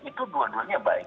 itu dua duanya baik